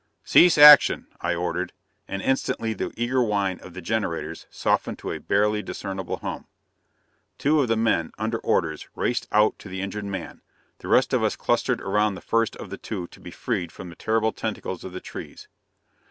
"Cease action!" I ordered, and instantly the eager whine of the generators softened to a barely discernible hum. Two of the men, under orders, raced out to the injured man: the rest of us clustered around the first of the two to be freed from the terrible tentacles of the trees.